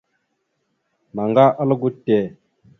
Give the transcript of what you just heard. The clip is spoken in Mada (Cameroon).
Naŋga algo te.